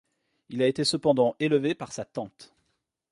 Il a été cependant élevé par sa tante.